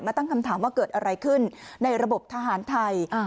ตั้งคำถามว่าเกิดอะไรขึ้นในระบบทหารไทย